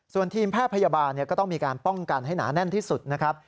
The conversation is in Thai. ส่วนทีมแพทย์พยาบาลก็ต้องมีการป้องกันให้หนาแน่นที่สุดนะครับ